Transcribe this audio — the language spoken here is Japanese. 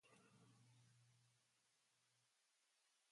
たつまん